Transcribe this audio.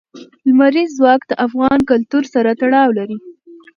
لمریز ځواک د افغان کلتور سره تړاو لري.